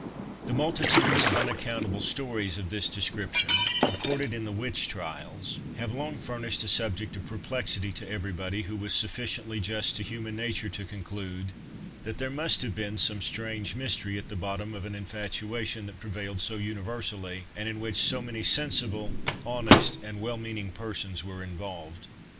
The multitudes of unaccountable stories of this description recorded in the witch trials, have long furnished a subject of perplexity to everybody who was sufficiently just to human nature to conclude, that there must have been some strange mystery at the bottom of an infatuation that prevailed so universally, and in which so many sensible, honest, and well meaning persons were involved.